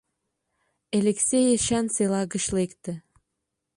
Элексей Эчан села гыч лекте.